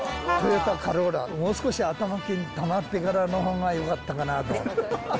トヨタカローラ、もう少し頭金たまってからのほうがよかったかなと。